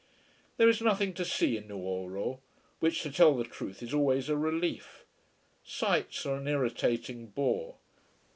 There is nothing to see in Nuoro: which, to tell the truth, is always a relief. Sights are an irritating bore.